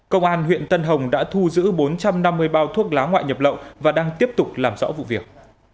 công an huyện tân hồng đã thu giữ bốn trăm năm mươi bao thuốc lá ngoại nhập lậu và đang tiếp tục làm rõ vụ việc